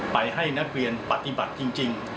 ให้นักเรียนปฏิบัติจริง